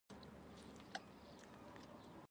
مبارکي راکړئ عالمه چې پرې مين وم ترې چاپېر مې کړل لاسونه